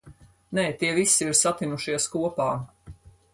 Nē, tie visi ir satinušies kopā.